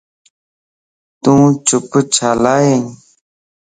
تون چپ ڇيلائين؟